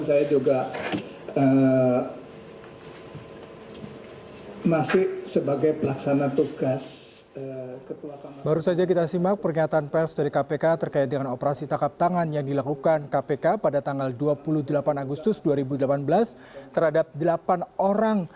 saya berterima kasih kepada pak ketua dan pak ketua keputusan